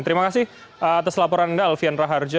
terima kasih atas laporan anda alfian raharjo